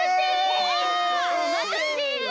おまたせ！